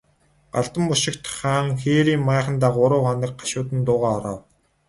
Галдан бошигт хаан хээрийн майхандаа гурван хоног гашуудан дуугаа хураав.